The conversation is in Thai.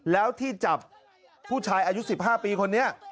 แล้วที่จับผู้ชายอายุ๑๕ปีคนนี้